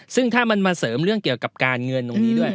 ซึ่งถ้ามันมาเสริมเรื่องเกี่ยวกับการเงินตรงนี้ด้วย